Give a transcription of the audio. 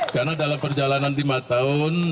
karena dalam perjalanan lima tahun